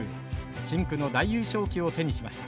深紅の大優勝旗を手にしました。